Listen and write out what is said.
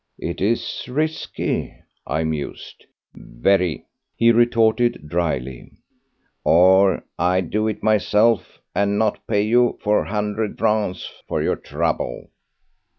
"It is risky," I mused. "Very," he retorted drily, "or I'd do it myself, and not pay you four hundred francs for your trouble."